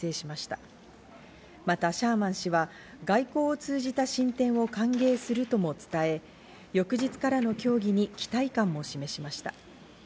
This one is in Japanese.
またシャーマン氏は外交を通じた進展を歓迎するとも伝え、翌日からの協議に期待感も示しました。